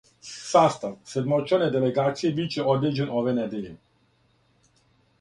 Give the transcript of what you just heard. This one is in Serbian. Састав седмочлане делегације биће одређен ове недеље.